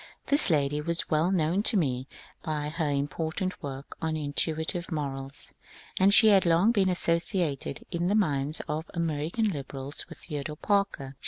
This lady was well known to me by her im portant work on Intuitive Morals," and she had long been associated in the minds of American liberals with Theodore Parker.